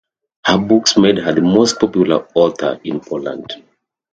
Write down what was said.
Her books made her the most popular author in Poland.